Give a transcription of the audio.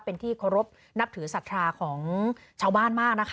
เป็นที่เคารพนับถือศรัทธาของชาวบ้านมากนะคะ